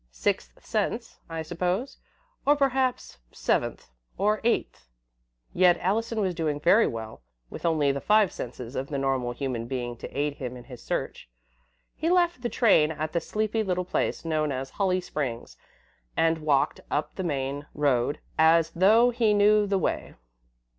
Sixth sense, I suppose, or perhaps seventh or eighth." Yet Allison was doing very well, with only the five senses of the normal human being to aid him in his search. He left the train at the sleepy little place known as "Holly Springs," and walked up the main road as though he knew the way.